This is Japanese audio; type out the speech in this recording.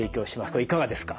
これいかがですか？